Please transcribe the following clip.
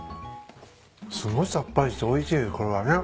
すごいさっぱりしておいしいこれはね。